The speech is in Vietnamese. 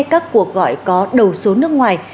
các cuộc gọi có đầu số nước ngoài